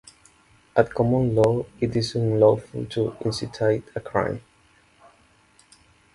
At common law it is unlawful to incite a crime.